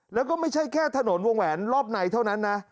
แล้วก็ไม่ใช่แค่ถนนวงแหวนรอบในเท่านั้นนะ